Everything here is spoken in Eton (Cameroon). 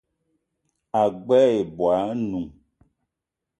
Ag͡bela ibwal anoun